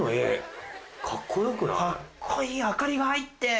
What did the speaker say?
カッコいい明かりが入って。